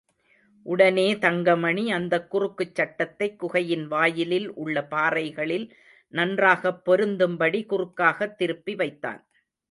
உடனே தங்கமணி அந்தக் குறுக்குச் சட்டத்தைக் குகையின் வாயிலில் உள்ள பாறைகளில் நன்றாகப் பொருந்தும்படி குறுக்காகத் திருப்பி வைத்தான்.